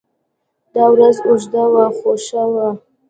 دا ورځ اوږده وه خو ښه وه.